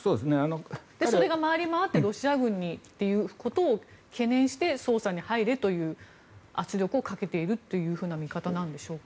それが回りまわってロシア軍にということを懸念して捜査に入れという圧力をかけているという見方なんでしょうか。